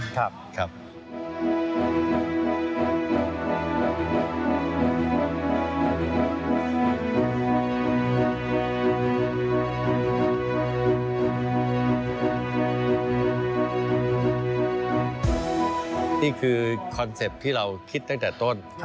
นี่คือคอนเซ็ปต์ที่เราคิดตั้งแต่ต้น